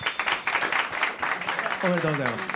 おめでとうございます。